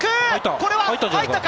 これは入ったか？